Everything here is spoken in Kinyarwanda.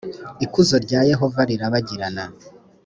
ikuzo rya yehova rirabagirana